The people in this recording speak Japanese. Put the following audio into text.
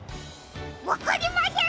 わかりません！